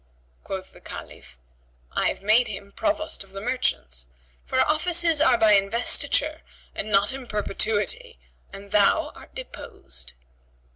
Quoth the Caliph, "I have made him Provost of the merchants, for offices are by investiture and not in perpetuity, and thou art deposed."